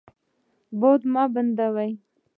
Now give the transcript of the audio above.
باد مه بندوئ.